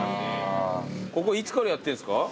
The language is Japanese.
ここいつからやってんすか？